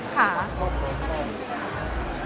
ถ้าสมมุติ